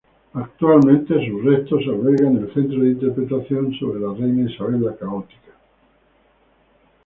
Actualmente sus restos albergan el centro de interpretación sobre la reina Isabel la Católica.